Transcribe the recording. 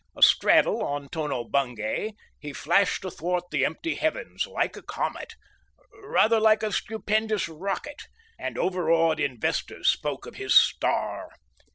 Astraddle on Tono Bungay, he flashed athwart the empty heavens—like a comet—rather, like a stupendous rocket!—and overawed investors spoke of his star.